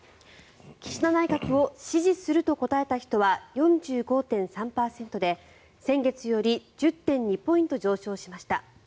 岸田内閣を支持すると答えた人は４５．３％で先月より１０．２ポイント上昇しました。